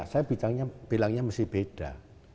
saya bilangnya mesti beda